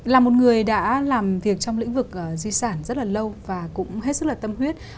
là một người đã làm việc trong lĩnh vực di sản rất là lâu và cũng hết sức là tâm huyết